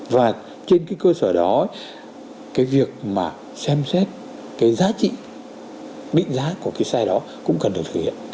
và trên cái cơ sở đó cái việc mà xem xét cái giá trị định giá của cái sai đó cũng cần được thực hiện